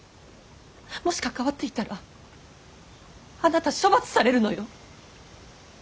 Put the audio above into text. もし関わっていたらあなた処罰されるのよ。